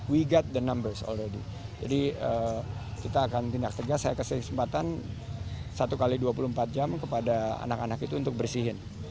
we got the numbers all edy jadi kita akan tindak tegas saya kasih kesempatan satu x dua puluh empat jam kepada anak anak itu untuk bersihin